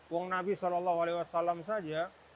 uang nabi saw saja